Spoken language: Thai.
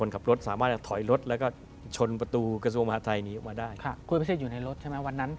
คุณพิสิทธิ์อยู่ในรถใช่ไหมวันนั้น